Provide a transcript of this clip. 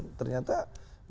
tidak mengetahui dan ternyata